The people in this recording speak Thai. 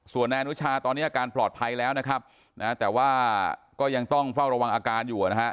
ส่วนนายอนุชาตอนนี้อาการปลอดภัยแล้วนะครับนะแต่ว่าก็ยังต้องเฝ้าระวังอาการอยู่นะฮะ